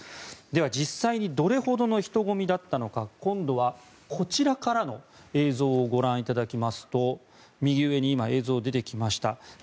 では、実際にどれほどの人混みだったのか今度はこちらからの映像をご覧いただきますと右上に今、映像が出てきました。